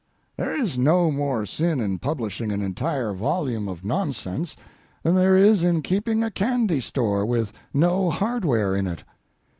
There is no more sin in publishing an entire volume of nonsense than there is in keeping a candy store with no hardware in it.